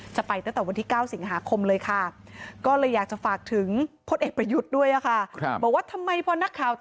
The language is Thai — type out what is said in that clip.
จะไปเต้นต่อวันที่๙สิงหาคมเลยค่ะก็เลยอยากจะฝากถึงพพเปหยุดด้วยก็ค่ะ